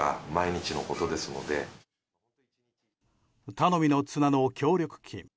頼みの綱の協力金。